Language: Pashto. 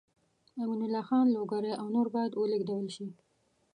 امین الله خان لوګری او نور باید ولېږدول شي.